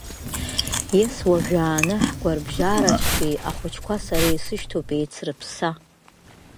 Ес-уажәааны ҳгәарабжьараҿтәи ахәыҷқәа сара исышьҭоуп еицрыԥсса.